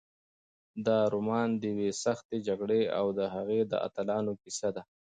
دا رومان د یوې سختې جګړې او د هغې د اتلانو کیسه ده.